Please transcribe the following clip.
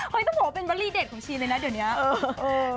ต้องบอกว่าเป็นวลีเด็ดของชีเลยนะเดี๋ยวนี้